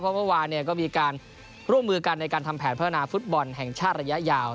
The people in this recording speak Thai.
เพราะเมื่อวานก็มีการร่วมมือกันในการทำแผนพัฒนาฟุตบอลแห่งชาติระยะยาว